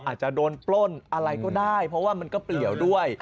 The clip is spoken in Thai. อาจจะโดนปล้นอะไรก็ได้เพราะว่ามันก็เปลี่ยวด้วย